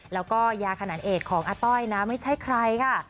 แล้วก็ยาขนาดเอกของอาต้อยนะไม่ใช่ใครค่ะ